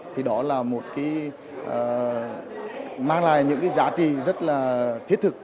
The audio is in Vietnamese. thì đó là một cái mang lại những cái giá trị rất là thiết thực